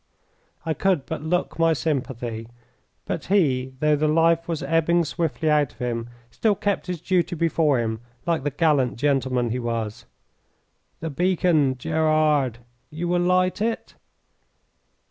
I could but look my sympathy, but he, though the life was ebbing swiftly out of him, still kept his duty before him, like the gallant gentleman he was. "The beacon, Gerard! You will light it?"